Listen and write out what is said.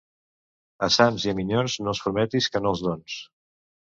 A sants i a minyons no els prometis que no els dons.